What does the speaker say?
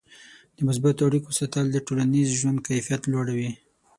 د مثبتو اړیکو ساتل د ټولنیز ژوند کیفیت لوړوي.